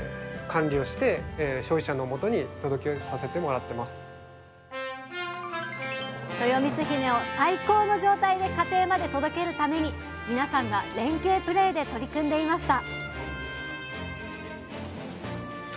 そのためですねとよみつひめを最高の状態で家庭まで届けるために皆さんが連携プレーで取り組んでいました